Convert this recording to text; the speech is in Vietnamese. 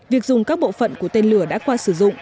việc dùng các bộ phận của tên lửa đã qua sử dụng